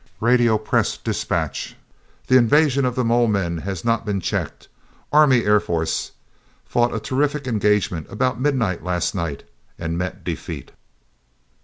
"Radiopress dispatch: The invasion of the mole men has not been checked. Army Air Force fought a terrific engagement about midnight, last night, and met defeat.